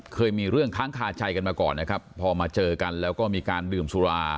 เคยมีเรื่องค้างคาใจกันมาก่อนนะครับพอมาเจอกันแล้วก็มีการดื่มสุรา